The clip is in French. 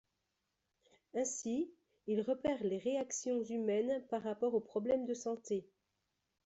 Ainsi, il repère les réactions humaines par rapport au problème de santé.